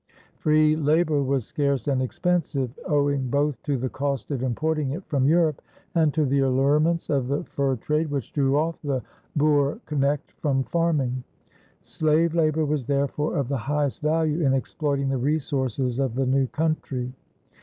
Free labor was scarce and expensive, owing both to the cost of importing it from Europe and to the allurements of the fur trade, which drew off the boer knecht from farming. Slave labor was therefore of the highest value in exploiting the resources of the new country.